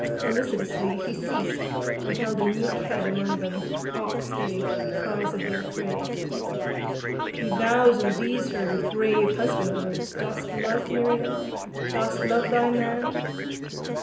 Felicitously he ceased and held a meek head among them, auk's egg, prize of their fray. He thous and thees her with grave husbandwords. Dost love, Miriam? Dost love thy man?